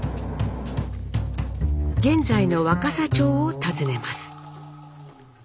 現在の若狭町を訪ねます。